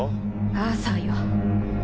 アーサーよ